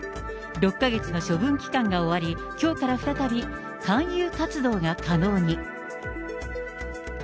６か月の処分期間が終わり、きょうから再び勧誘活動が可能に。